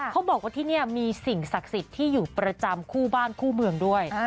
เขาบอกว่าที่นี่มีสิ่งศักดิ์สิทธิ์ที่อยู่ประจำคู่บ้านคู่เมืองด้วย